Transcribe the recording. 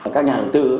các nhà đầu tư